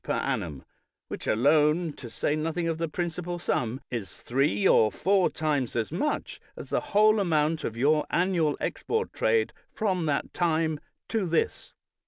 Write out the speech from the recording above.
per annum, which alone, to say nothing of the principal sum, is three or four times as much as the whole amount of your annual export trade from that time to this.